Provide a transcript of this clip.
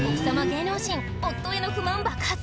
芸能人夫への不満爆発！？